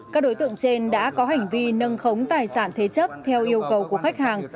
các đối tượng trên đã có hành vi nâng khống tài sản thế chấp theo yêu cầu của khách hàng